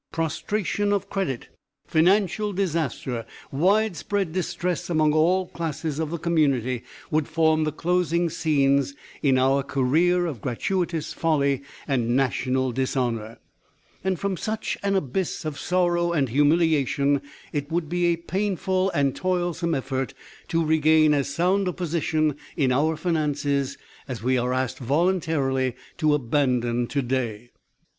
Prostration of credit, financial disaster, widespread distress among all classes of the community, would form the closing scenes in our career of gratuitous folly and national dishonor. And from such an abyss of sorrow and humiliation, it would be a painful and toilsome effort to regain as sound a position in our finances as we are asked voluntarily to abandon to day.